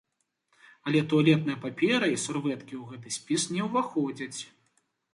Але туалетная папера і сурвэткі ў гэты спіс не ўваходзяць.